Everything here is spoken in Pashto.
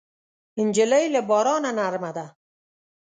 نجلۍ له بارانه نرمه ده.